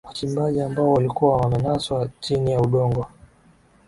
wachimbaji ambao walikuwa wamenaswa chini ya udongo